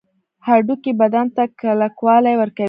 هډوکي بدن ته کلکوالی ورکوي